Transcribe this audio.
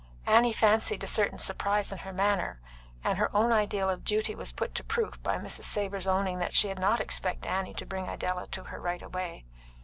Annie fancied a certain surprise in her manner, and her own ideal of duty was put to proof by Mrs. Savor's owning that she had not expected Annie to bring Idella to her right away.